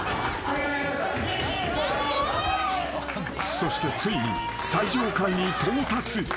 ［そしてついに最上階に到達］